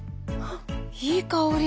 いい香り。